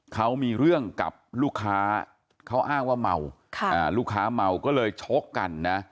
เขามีเรื่องกับลูกค้าเขาอ้างว่าเมาลูกค้าเมาก็เลยชกกันนะ